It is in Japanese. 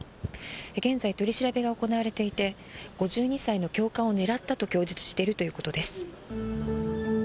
現在、取り調べが行われていて５２歳の教官を狙ったと供述しているということです。